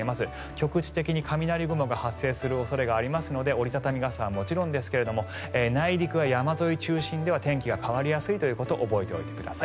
局地的に雷雲が発生する可能性があるので折り畳み傘はもちろんですけれども内陸や山沿い中心では天気が変わりやすいということを覚えておいてください。